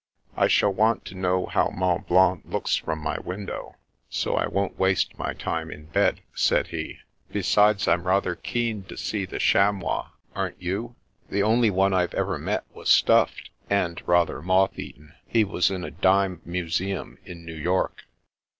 " I shall want to know how Mont Blanc looks from my window, so I won't waste my time in bed," said he. " Besides, I'm rather keen to see the chamois, aren't you ? The only one I've ever met was stuffed, and rather moth eaten. He was in a dime museum in New York."